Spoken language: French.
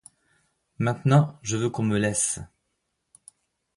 Maintenant, je veux qu’on me laisse !